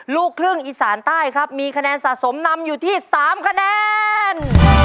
ลูกครึ่งอีสานใต้ครับมีคะแนนสะสมนำอยู่ที่๓คะแนน